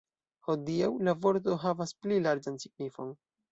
Hodiaŭ, la vorto havas pli larĝan signifon.